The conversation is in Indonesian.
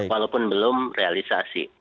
walaupun belum realisasi